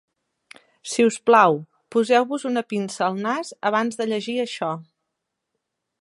Si us plau, poseu-vos una pinça al nas abans de llegir això.